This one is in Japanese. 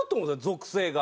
属性が。